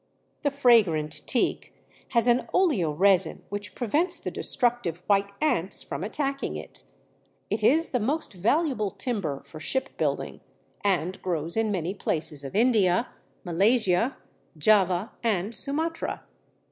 The fragrant Teak has an oleoresin which prevents the destructive white ants from attacking it; it is the most valuable timber for shipbuilding, and grows in many places of India, Malaysia, Java, and Sumatra.